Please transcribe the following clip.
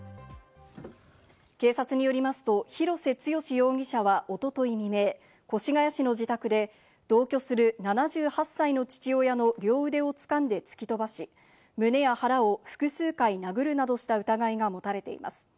警察によりますと、廣瀬津嘉容疑者はおととい未明、越谷市の自宅で同居する７８歳の父親の両腕をつかんで突き飛ばし、胸や腹を複数回殴るなどした疑いが持たれています。